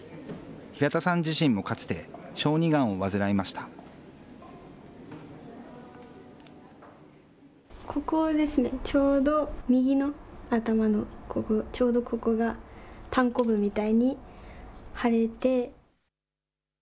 平田さん自身もかつて、ここですね、ちょうど右の頭のここ、ちょうどここがたんこぶみたいに腫れて。